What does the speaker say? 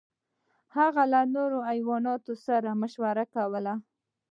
هغه له نورو حیواناتو سره مشوره کوله.